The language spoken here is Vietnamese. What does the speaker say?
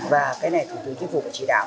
và cái này thủ tướng chính phủ đã chỉ đạo